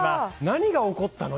何が起こったの？